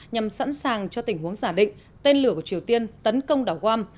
nhằm sẵn sàng cho tình huống giả định tên lửa của triều tiên tấn công đảo gom